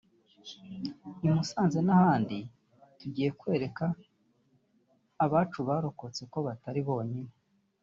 i Musanze n’ahandi tugiye kwereka abacu barokotse ko batari bonyine